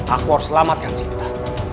aku harus selamatkan sinta